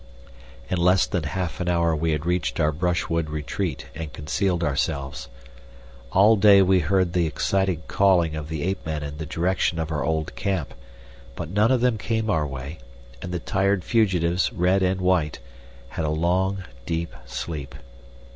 In less than half an hour we had reached our brushwood retreat and concealed ourselves. All day we heard the excited calling of the ape men in the direction of our old camp, but none of them came our way, and the tired fugitives, red and white, had a long, deep sleep.